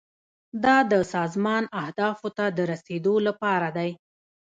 دا د سازمان اهدافو ته د رسیدو لپاره دی.